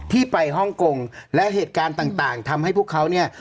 ที่ไปฮ่องกงและเหตุการณ์ต่างทำให้พวกเขาเนี่ย